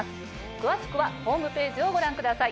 詳しくはホームページをご覧ください。